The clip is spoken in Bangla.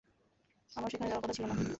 আমার সেখানে যাওয়ার কথা ছিল না।